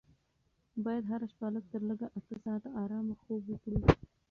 باید هره شپه لږ تر لږه اته ساعته ارامه خوب وکړو.